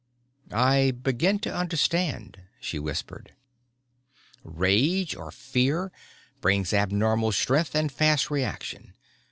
"I begin to understand," she whispered. "Rage or fear brings abnormal strength and fast reaction.